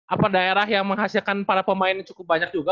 apa daerah yang menghasilkan para pemain cukup banyak juga